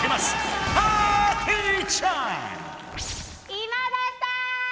今田さん